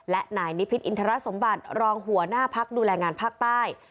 และนายนิพิษอินทรสมบัติรองหัวหน้าพักดูแลงานภาคใต้